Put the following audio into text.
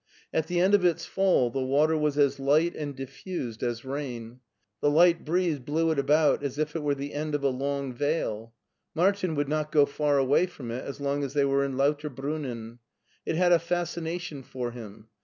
At the end of its fall the water was as light and diffused as rain. The light breeze blew it about as if it were the end of a long veil Martin would not go far away from it as long as they were in Lauterbrunnen. It had a fascination for him.